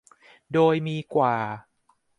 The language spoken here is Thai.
โดยมีกว่า